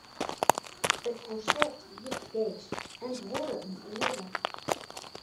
It konsert wie fergees en duorre in oere.